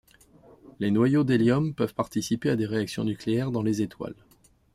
Les noyaux d'hélium peuvent participer à des réactions nucléaires dans les étoiles.